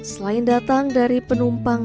selain datang dari penumpang